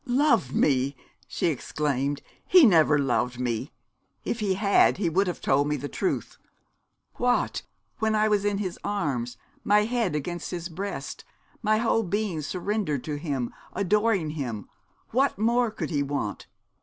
'Loved me!' she exclaimed; 'he never loved me. If he had he would have told me the truth. What, when I was in his arms, my head upon his breast, my whole being surrendered to him, adoring him, what more could he want?